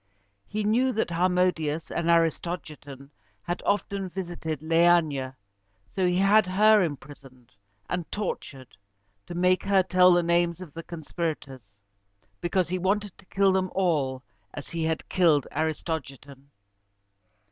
He knew that Harmodius and Aristogiton had often visited Leæna: so he had her imprisoned and tortured, to make her tell the names of the conspirators, because he wanted to kill them all as he had killed Aristogiton.